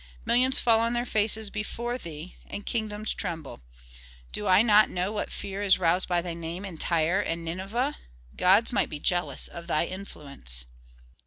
Millions fall on their faces before thee, and kingdoms tremble. Do I not know what fear is roused by thy name in Tyre and Nineveh? Gods might be jealous of thy influence."